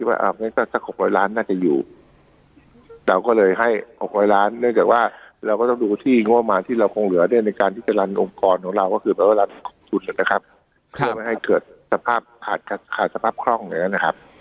เพื่อไม่ให้เกิดสภาพขาดสภาพคล่องอย่างนั้นนะครับ